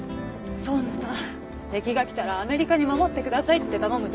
そんな敵が来たらアメリカに守ってくださいって頼む